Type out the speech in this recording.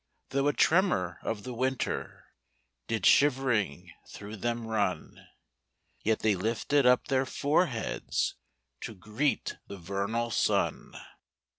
5 Though a tremor of the winter Did shivering through them run; Yet they lifted up their foreheads To greet the vernal sun.